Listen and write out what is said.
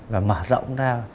và mở rộng ra